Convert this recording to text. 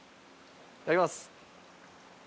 いただきます！